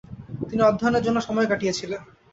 তিনি অধ্যয়নের জন্য সময় কাটিয়েছিলেন।